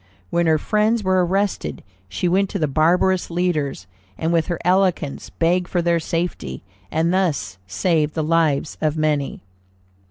When her friends were arrested, she went to the barbarous leaders, and with her eloquence begged for their safety, and thus saved the lives of many.